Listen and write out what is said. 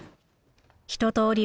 一とおり